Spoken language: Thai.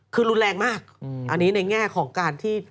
คือรุนแรงมากอันนี้ในแง่ของการที่